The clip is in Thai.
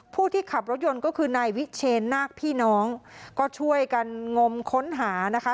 ผู้ที่ขับรถยนต์ก็คือนายวิเชนนาคพี่น้องก็ช่วยกันงมค้นหานะคะ